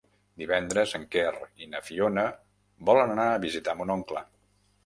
Divendres en Quer i na Fiona volen anar a visitar mon oncle.